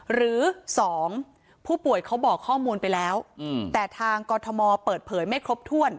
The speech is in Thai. หรือ๒ผู้ป่วยเขาบอกข้อมูลไปแล้วแต่ทางกรทมเปิดเผยไม่ครบถ้วน